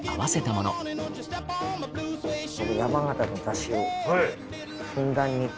この山形のだしをふんだんに。